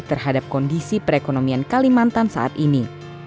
terhadap kondisi perekonomian kalimantan saat ini